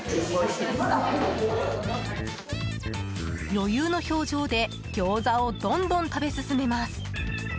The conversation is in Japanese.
余裕の表情で餃子をどんどん食べ進めます。